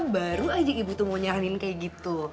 baru aja ibu tuh mau nyaranin kayak gitu